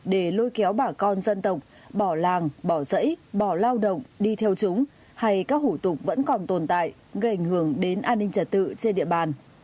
để lôi kéo bà con dân tộc bỏ làng bỏ dẫy bỏ lao động đi theo chúng hay các hủ tục vẫn còn tồn tại gây ảnh hưởng đến an ninh trật tự trên địa bàn